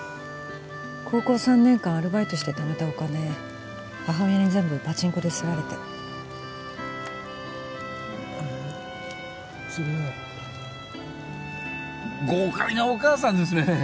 高校３年間アルバイトしてためたお金母親に全部パチンコですられてそれは豪快なお母さんですね